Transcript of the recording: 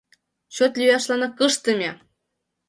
— Чот лӱяшланак ыштыме!